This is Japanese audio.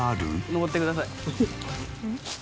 上ってください。